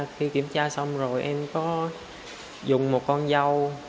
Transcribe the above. khi kiểm tra xong rồi em có dùng một con dao